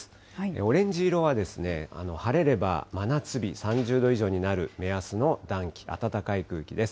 オレンジ色は晴れれば真夏日、３０度以上になる目安の暖気、暖かい空気です。